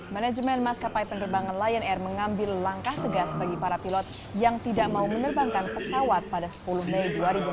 manajemen maskapai penerbangan lion air mengambil langkah tegas bagi para pilot yang tidak mau menerbangkan pesawat pada sepuluh mei dua ribu enam belas